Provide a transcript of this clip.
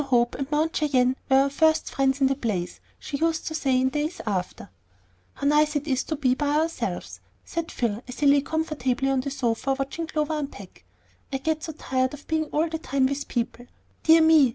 Hope and Mount Cheyenne were our first friends in the place," she used to say in after days. "How nice it is to be by ourselves!" said Phil, as he lay comfortably on the sofa watching Clover unpack. "I get so tired of being all the time with people. Dear me!